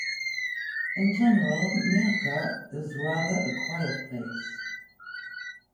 In general, Mirca is rather a quiet place.